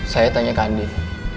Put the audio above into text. saya tanya ke andin